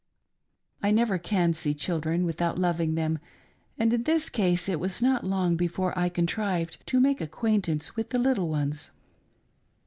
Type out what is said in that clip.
I never can see children without loving them, and in this case it was not long before I contrived to make acquaintance with the little ones.